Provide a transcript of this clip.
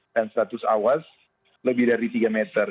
dan status awas lebih dari tiga meter